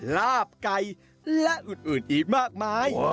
ลาบไก่และอื่นอีกมากมาย